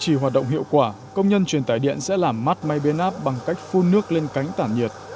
chỉ hoạt động hiệu quả công nhân truyền tải điện sẽ làm mát máy bế nắp bằng cách phun nước lên cánh tản nhiệt